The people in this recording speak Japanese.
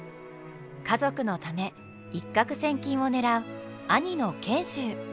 家族のため一獲千金を狙う兄の賢秀。